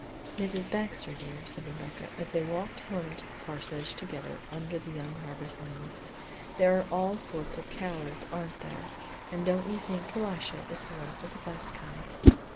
"Mrs. Baxter, dear," said Rebecca, as they walked home to the parsonage together under the young harvest moon; "there are all sorts of cowards, aren't there, and don't you think Elisha is one of the best kind."